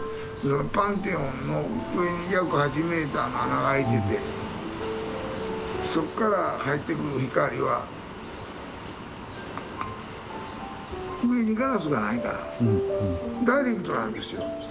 パンテオンの上に約８メーターの穴が開いててそっから入ってくる光は上にガラスがないからダイレクトなんですよ。